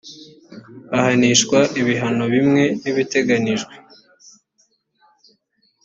ahanishwa ibihano bimwe n ibiteganyijwe